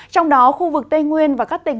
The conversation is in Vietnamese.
trong đó khu vực tây nguyên và các tỉnh